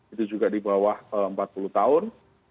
itu juga di bawah empat puluh tahun